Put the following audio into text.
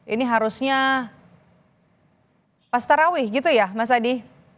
ini harusnya pastarawi gitu ya mas adi